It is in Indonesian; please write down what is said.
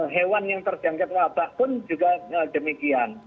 hewan yang terjangkit wabah pun juga demikian